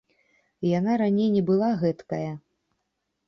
Яна раней не была гэткая!